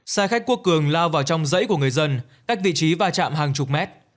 xe khách quốc cường lao vào trong dãy của người dân cách vị trí va chạm hàng chục mét